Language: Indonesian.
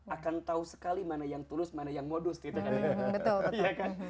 akan tahu sekali mana yang tulus mana yang modus gitu kan